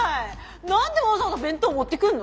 何でわざわざ弁当持ってくんの？